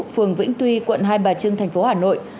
phường vĩnh tuy quận hai bà trưng thành phố hà nội